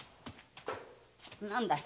何だい。